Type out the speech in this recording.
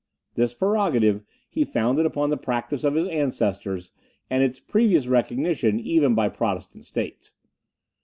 This prerogative he founded upon the practice of his ancestors, and its previous recognition even by Protestant states.